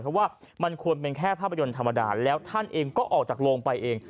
เพราะว่ามันควรเป็นแค่ภาพยนตร์ธรรมดาแล้วท่านเองก็ออกจากโรงไปเอง